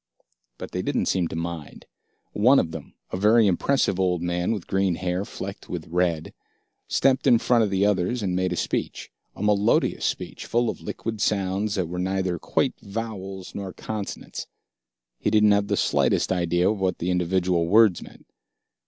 But they didn't seem to mind. One of them, a very impressive old man with green hair flecked with red, stepped in front of the others and made a speech, a melodious speech full of liquid sounds that were neither quite vowels nor consonants. He didn't have the slightest idea of what the individual words meant.